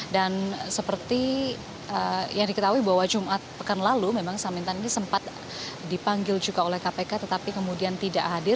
dan seperti yang diketahui bahwa jumat pekan lalu memang samintan ini sempat dipanggil juga oleh kpk tetapi kemudian tidak hadir